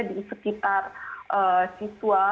di sekitar siswa